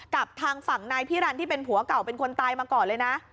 กับทางฝั่งนายพิรันที่เป็นผัวเก่าเป็นคนตายมาก่อนเลยนะ